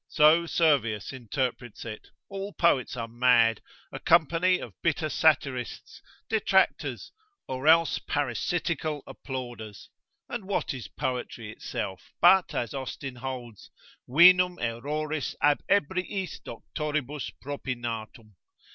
so Servius interprets it, all poets are mad, a company of bitter satirists, detractors, or else parasitical applauders: and what is poetry itself, but as Austin holds, Vinum erroris ab ebriis doctoribus propinatum?